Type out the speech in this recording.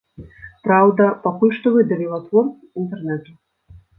Праўда, пакуль што выдаліла твор з інтэрнэту.